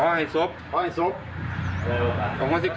เออแค่นั้นเหรอ